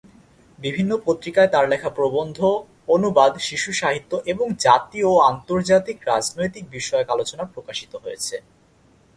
বিভিন্ন পত্রিকায় তার লেখা প্রবন্ধ, অনুবাদ, শিশুসাহিত্য এবং জাতীয় ও আন্তর্জাতিক রাজনৈতিক বিষয়ক আলোচনা প্রকাশিত হয়েছে।